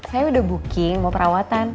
saya udah booking mau perawatan